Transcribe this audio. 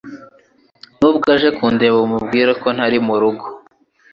Nubwo aje kundeba, umubwire ko ntari murugo.